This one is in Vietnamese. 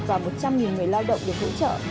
và một trăm linh người lao động được hỗ trợ